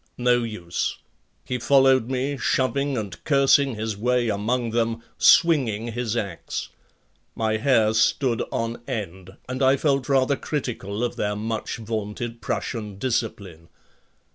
No use. He followed me, shoving and cursing his way among them, swinging his axe. My hair stood on end and I felt rather critical of their much vaunted Prussian discipline.